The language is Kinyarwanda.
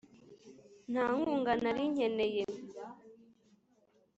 nta nkunga nari nkeneye,